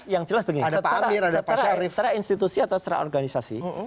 yang jelas begini secara institusi atau secara organisasi